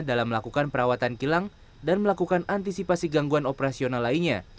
dalam melakukan perawatan kilang dan melakukan antisipasi gangguan operasional lainnya